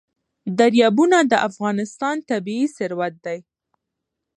دریابونه د افغانستان طبعي ثروت دی.